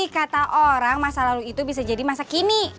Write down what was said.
kata orang masa lalu itu bisa jadi masa kini